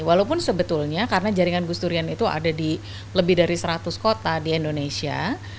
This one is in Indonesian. walaupun sebetulnya karena jaringan gus durian itu ada di lebih dari seratus kota di indonesia